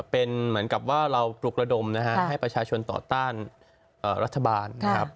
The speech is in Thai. เป็นเหมือนกับว่าเราปลุกระดมนะฮะให้ประชาชนต่อต้านรัฐบาลนะครับ